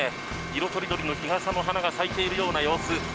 色とりどりの日傘の花が咲いているような様子。